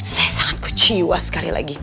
saya sangat kecewa sekali lagi